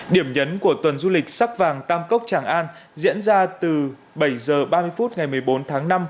điểm nhấn của tuần du lịch sắc vàng tam cốc tràng an diễn ra từ bảy h ba mươi phút ngày một mươi bốn tháng năm